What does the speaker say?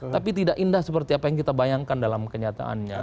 tapi tidak indah seperti apa yang kita bayangkan dalam kenyataannya